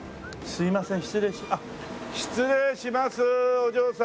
すいません。